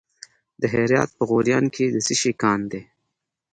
د هرات په غوریان کې د څه شي کان دی؟